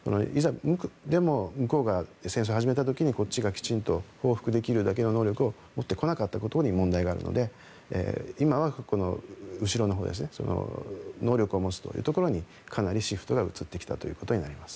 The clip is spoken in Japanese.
でも向こうが戦争が始めた時にこっちがきちんと報復できるだけの能力を持っていなかったという問題があるので今は能力を持つというところにかなりシフトが移ってきたということになります。